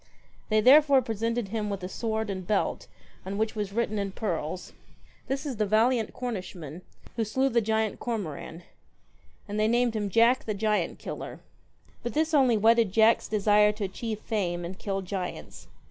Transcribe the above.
They therefore presented him with a sword and belt on which was written in pearls 'This is the valiant Cornishman Who slew the giant Cormoran ;' and they named him Jack the Giant killer. But this only whetted Jack's desire to achieve fame, and kill giants.